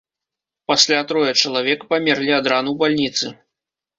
Пасля трое чалавек памерлі ад ран у бальніцы.